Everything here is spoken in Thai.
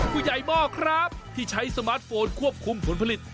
ผู้ใหญ่หม้อครับที่ใช้สมาร์ทโฟนควบคุมสนผลิต